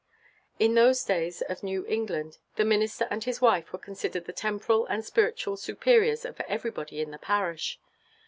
In those days of New England, the minister and his wife were considered the temporal and spiritual superiors of everybody in the parish.